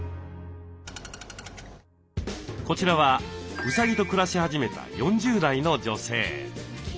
こちらはうさぎと暮らし始めた４０代の女性。